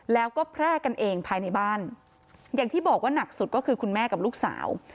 แล้วก็แพร่กันเองภายในบ้านอย่างที่บอกว่าหนักสุดก็คือคุณแม่กับลูกสาว